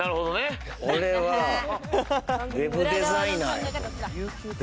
俺はＷＥＢデザイナー。